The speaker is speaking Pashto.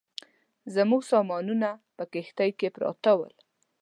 زموږ سامانونه په کښتۍ کې پراته ول.